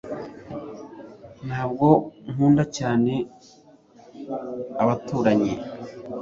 ntabwo nkunda cyane abaturanyi